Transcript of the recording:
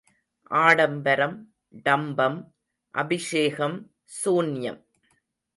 ஆடம்பரம் டம்பம், அபிஷேகம் சூன்யம்.